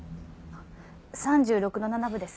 ３６度７分です。